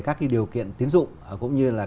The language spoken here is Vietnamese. các cái điều kiện tín dụng cũng như là